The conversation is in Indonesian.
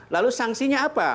lalu sanksinya apa